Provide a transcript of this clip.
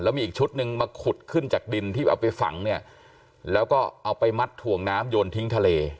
มีอีกชุดหนึ่งมาขุดขึ้นจากดินที่เอาไปฝังเนี่ยแล้วก็เอาไปมัดถ่วงน้ำโยนทิ้งทะเล